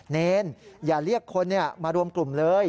เนรอย่าเรียกคนมารวมกลุ่มเลย